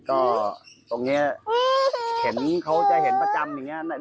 ก็ตรงนี้เห็นเขาจะเห็นประจำอย่างนี้